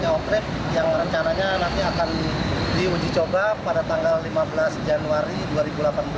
out trip yang rencananya nanti akan diuji coba pada tanggal lima belas januari dua ribu delapan belas